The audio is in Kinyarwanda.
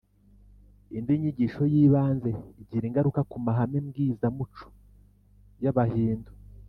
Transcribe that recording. indi nyigisho y’ibanze igira ingaruka ku mahame mbwirizamuco y’abahindu